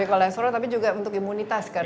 jadi kolesterol tapi juga untuk imunitas kan ya pak